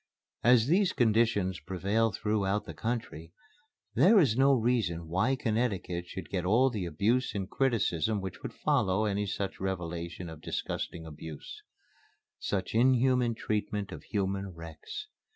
As these conditions prevail throughout the country, there is no reason why Connecticut should get all the abuse and criticism which would follow any such revelation of disgusting abuse; such inhuman treatment of human wrecks.